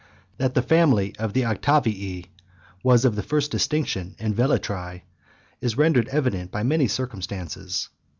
That the family of the Octavii was of the first distinction in Velitrae , is rendered evident by many circumstances.